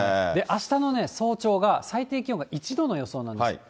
あしたの早朝が最低気温が１度の予想なんです。